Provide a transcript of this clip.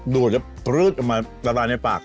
ดูด้วยจะปื้ดออกมาละละในปาก